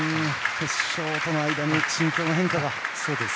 決勝との間に心境の変化が。